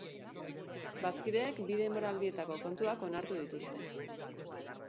Bazkideek bi denboraldietako kontuak onartu dituzte.